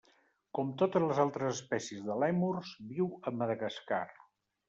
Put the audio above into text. Com totes les altres espècies de lèmurs, viu a Madagascar.